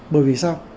bởi vì sao